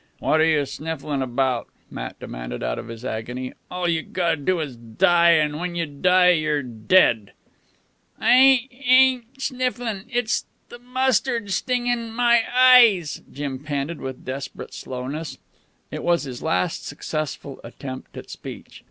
"What are you snifflin' about!" Matt demanded out of his agony. "All you got to do is die. An' when you die you're dead." "I ... ain't ... snifflin' ... it's ... the ... mustard ... stingin' ... my ... eyes," Jim panted with desperate slowness. It was his last successful attempt at speech.